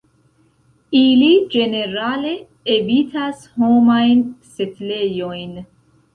Ili ĝenerale evitas homajn setlejojn.